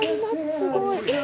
すごい！」